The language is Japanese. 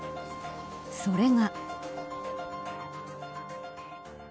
それが。